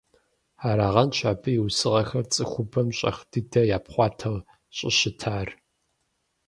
Арагъэнщ абы и усыгъэхэр цӀыхубэм щӀэх дыдэ япхъуатэу щӀыщытар.